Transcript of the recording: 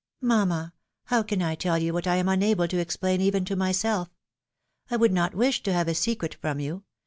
" Mamma ! how can I tell you what I am unable to explain even to myself? I would not wish to have a secret from you.